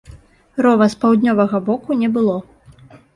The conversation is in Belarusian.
Рова з паўднёвага боку не было.